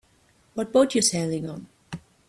What boat you sailing on?